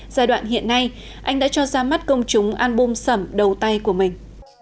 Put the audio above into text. giai đoạn hiện nay anh đã cho ra mắt công chúng album sẩm đầu tay của mình